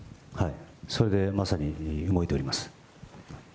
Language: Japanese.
それでまさに動いております。